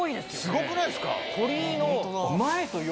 すごくないですか？